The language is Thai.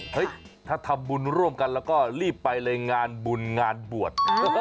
ถ้าทำบุญร่วมกันแล้วก็รีบไปเลยงานบุญงานบวช